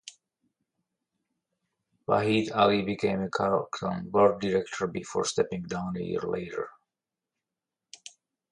Waheed Alli became a Carlton board director before stepping down a year later.